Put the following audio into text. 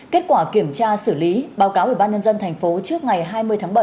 kết quả kiểm tra xử lý báo cáo ủy ban nhân dân tp trước ngày hai mươi tháng bảy